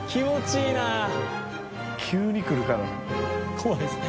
怖いですね